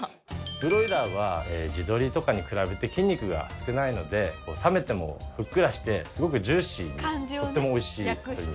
ブロイラーは地鶏とかに比べて筋肉が少ないので冷めてもふっくらしてすごくジューシーにとっても美味しい鶏肉です。